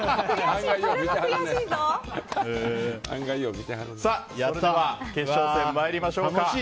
それでは決勝戦に参りましょう。